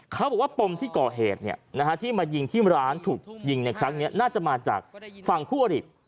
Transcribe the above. เขาบอกว่าปมที่ก่อเหตุที่มายิงที่ร้านถูกยิงในครั้งนี้น่าจะมาจากฝั่งคู่อริ